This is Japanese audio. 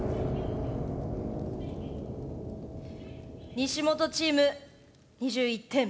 西本チーム、２１点。